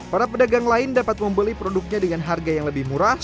para pedagang lain dapat membeli produknya dengan harga yang lebih murah